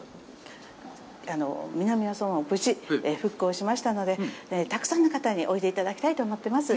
南阿蘇村、無事復興しましたので、たくさんの方においでいただきたいと思ってます。